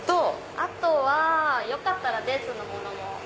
あとよかったらデーツのものも。